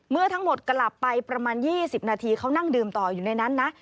เมื่อทั้งหมดกลับไปประมาณ๒๐นาทีเขานั่งดื่มต่ออยู่ในนั้นนะ